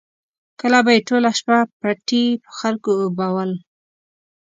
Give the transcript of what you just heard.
کله به یې ټوله شپه پټي په خلکو اوبول.